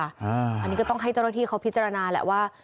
อันนี้ก็ต้องให้เจ้าหน้าที่เขาพิจารณาแหละว่า